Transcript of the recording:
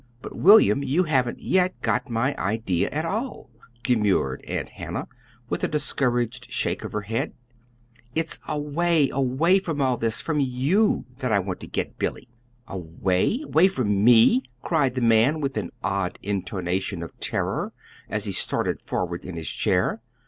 "But, William, you haven't yet got my idea at all," demurred Aunt Hannah, with a discouraged shake of her head. "It's away! away from all this from you that I want to get Billy." "Away! Away from me," cried the man, with an odd intonation of terror, as he started forward in his chair.